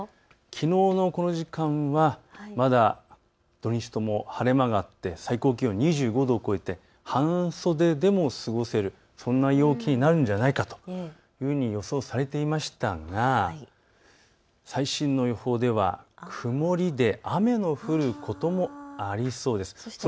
きのうのこの時間はまだこの土日とも晴れ間があって最高気温は２５度を超えて半袖でも過ごせる、そんな陽気になるんじゃないかと予想されていましたが最新の予報では曇りで雨の降ることもありそうです。